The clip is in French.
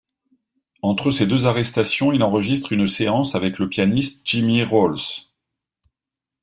Entre ces deux arrestations, il enregistre une séance avec le pianiste Jimmy Rowles.